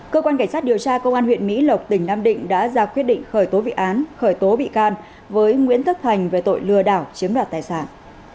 cơ quan cảnh sát điều tra công an huyện mỹ lộc tỉnh nam định đã ra quyết định khởi tố bị án khởi tố bị can với nguyễn tất thành về tội lừa đảo chiếm đoạt tài sản